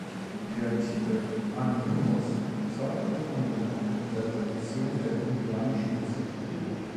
Der Titel "Anonymous" zollt den Unbekannten in der Tradition der indianischen Musik Tribut.